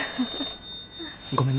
☎ごめんな。